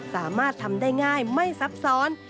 สามารถทำได้ง่ายไม่ซับซ้อน